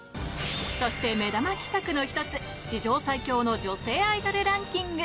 そして目玉企画の一つ、史上最強の女性アイドルランキング。